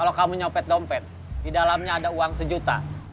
kalau kamu nyopet dompet di dalamnya ada uang sejuta